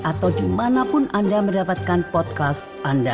atau dimanapun anda mendapatkan podcast anda